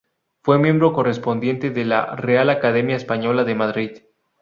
Fue miembro correspondiente de la Real Academia Española de Madrid.